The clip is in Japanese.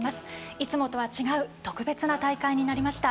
いつもとは違う特別な大会となりました。